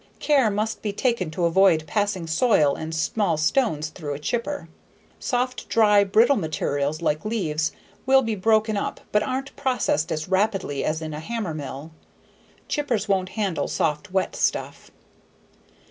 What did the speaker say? Care must be taken to avoid passing soil and small stones through a chipper. Soft, dry, brittle materials like leaves will be broken up but aren't processed as rapidly as in a hammermill. Chippers won't handle soft wet stuff.